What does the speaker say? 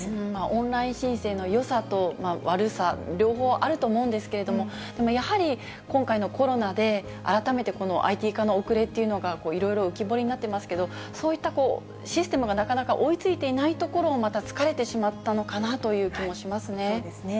オンライン申請のよさと悪さ、両方あると思うんですけれども、でもやはり今回のコロナで、改めてこのＩＴ化の遅れというのがいろいろ浮き彫りになってますけど、そういったシステムがなかなか追いついていないところをまた突かれてしまったのかなという気もしますね。